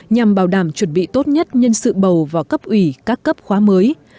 nhằm bảo đảm chuẩn bị tốt nhất nhân sự bầu và cấp ủy các cấp khóa mới